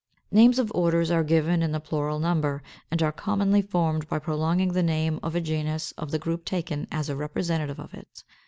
=Names of Orders= are given in the plural number, and are commonly formed by prolonging the name of a genus of the group taken as a representative of it.